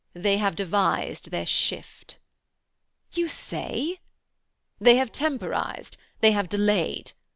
'They have devised their shift.' 'You say?' 'They have temporised, they have delayed.